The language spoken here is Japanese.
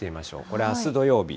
これ、あす土曜日。